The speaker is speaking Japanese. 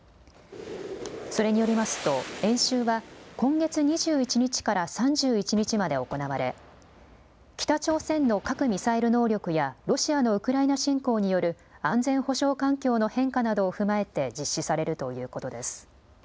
それによりますと演習は今月２１日から３１日まで行われ北朝鮮の核・ミサイル能力やロシアのウクライナ侵攻による安全保障環境の変化などを踏まえて実施されるということです。